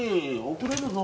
遅れるぞ。